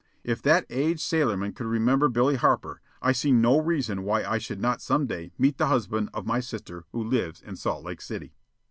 If that aged sailorman could remember Billy Harper, I see no reason why I should not some day meet the husband of my sister who lives in Salt Lake City.